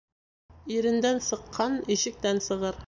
Ирендән сыҡҡан ишектән сығыр.